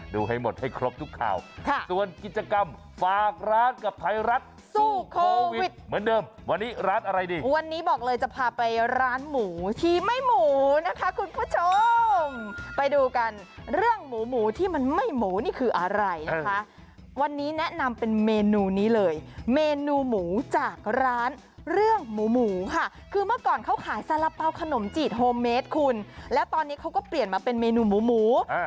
ดูให้หมดให้ครบทุกข่าวค่ะส่วนกิจกรรมฝากร้านกับไทยรัฐสู้โควิดเหมือนเดิมวันนี้ร้านอะไรดิวันนี้บอกเลยจะพาไปร้านหมูชีไม่หมูนะคะคุณผู้ชมไปดูกันเรื่องหมูหมูที่มันไม่หมูนี่คืออะไรนะคะวันนี้แนะนำเป็นเมนูนี้เลยเมนูหมูจากร้านเรื่องหมูหมูค่ะคือเมื่อก่อนเขาขายสาระเป๋าขนมจีดโฮเมดคุณแล้วตอนนี้เขาก็เปลี่ยนมาเป็นเมนูหมูหมู